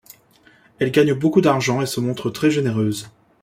Elle gagne beaucoup d'argent et se montre très généreuse.